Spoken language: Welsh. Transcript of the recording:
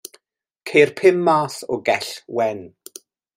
Ceir pum math o gell wen.